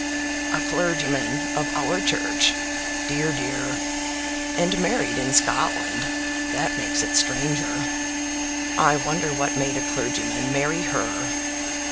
"A clergyman of our church; dear, dear. And married in Scotland! That makes it stranger. I wonder what made a clergyman marry her?"